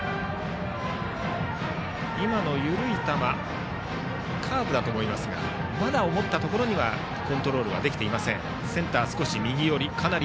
今の緩い球はカーブだと思いますが、思ったところにはコントロールができていません。